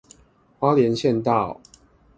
花蓮縣道